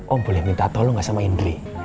om boleh minta tolong gak sama indri